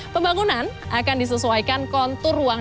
pembangunan akan disesuaikan kontur ruang